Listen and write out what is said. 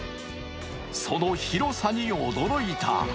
その広さに驚いた。